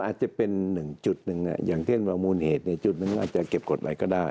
อาจจะเป็นหนึ่งจุดหนึ่งอย่างเช่นว่ามูลเหตุในจุดหนึ่งอาจจะเก็บกฎหมายก็ได้